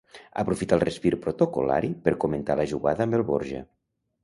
Aprofita el respir protocol·lari per comentar la jugada amb el Borja.